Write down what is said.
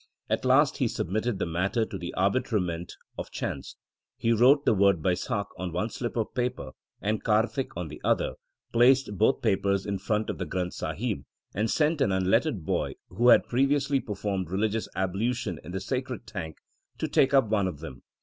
At last he submitted the matter to the arbitrament of chance. He wrote the word Baisakh on one slip of paper and Kartik on the other, placed both papers in front of the Granth Sahib, and sent an unlettered boy, who had previously performed religious ablution in the sacred tank, to take up one of them.